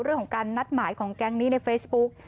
เรื่องของการนัดหมายของแก๊งนี้ในเฟซบุ๊ก